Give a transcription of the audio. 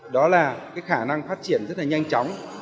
đó là cái khả năng phát triển rất là nhanh chóng